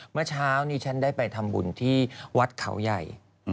เมื่อเช้านี้ฉันได้ไปทำบุญที่วัดเขาใหญ่